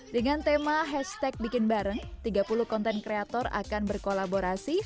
dengan tema hashtag bikin bareng tiga puluh konten kreator akan berkolaborasi